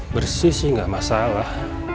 bersih sih nggak masalah